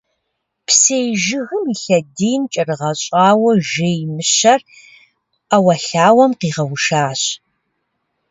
Псей жыгым и лъэдийм кӀэрыгъэщӀауэ жей Мыщэр ӏэуэлъауэм къигъэушащ.